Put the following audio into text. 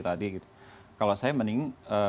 tadi gitu kalau saya mending